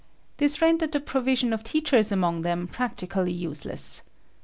This rendered the provision of teachers among them practically useless.